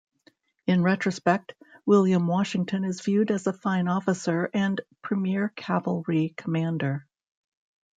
In retrospect, William Washington is viewed as a fine officer and premier cavalry commander.